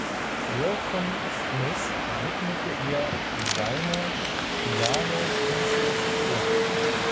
Wilson Smith widmete ihr seine "Piano Pieces" op.